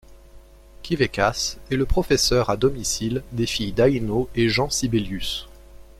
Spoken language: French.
Kivekäs est le professeur à domicile des filles d'Aïno et Jean Sibelius.